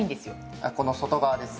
この外側ですね？